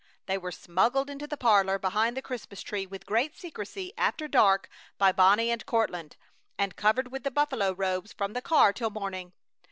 They were smuggled into the parlor, behind the Christmas tree, with great secrecy after dark by Bonnie and Courtland; and covered with the buffalo robes from the car till morning.